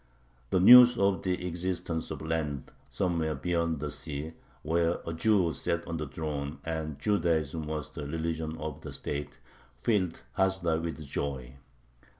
The news of the existence of a land somewhere beyond the seas where a Jew sat on the throne, and Judaism was the religion of the state, filled Hasdai with joy.